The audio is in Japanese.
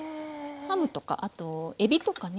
ハムとかあとエビとかね。